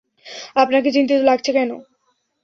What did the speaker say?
আপনাকে চিন্তিত লাগছে কেনো?